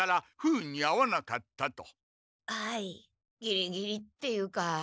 ギリギリっていうか。